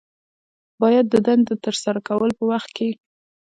باید د دندې د ترسره کولو په وخت کې